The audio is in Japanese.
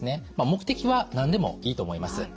目的は何でもいいと思います。